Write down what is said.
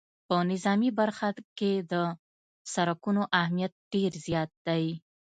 په نظامي برخه کې د سرکونو اهمیت ډېر زیات دی